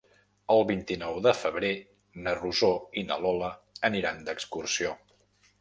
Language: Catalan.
El vint-i-nou de febrer na Rosó i na Lola aniran d'excursió.